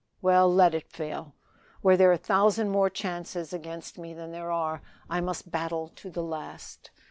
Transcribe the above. Well! let it fail! Were there a thousand more chances against me than there are I must battle to the last.